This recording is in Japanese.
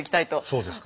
そうですか。